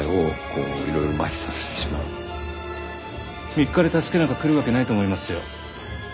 ３日で助けなんか来るわけないと思いますよ。